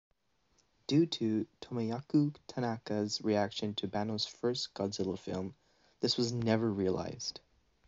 Due to Tomoyuki Tanaka's reaction to Banno's first "Godzilla" film, this was never realized.